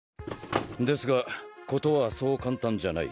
ですが事はそう簡単じゃない。